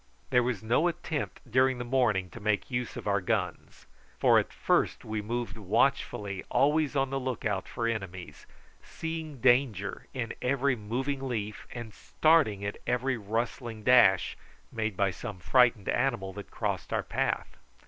There was no attempt during the morning to make use of our guns, for at first we moved watchfully, always on the look out for enemies, seeing danger in every moving leaf, and starting at every rustling dash made by some frightened animal that crossed our path.